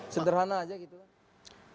sederhana aja gitu lah